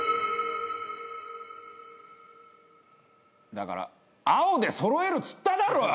だから青で揃えるっつっただろ！